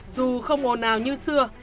dù không ồn ào như xưa